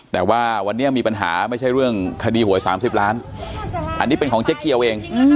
แต่ว่าวันนี้มีปัญหาไม่ใช่เรื่องคดีหวย๓๐ล้านอันนี้เป็นของเจ๊เกียวเอง